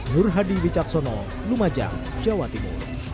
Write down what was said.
nur hadi wicaksono lumajang jawa timur